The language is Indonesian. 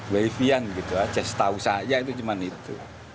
wavy an gitu aja setahu saya itu cuma itu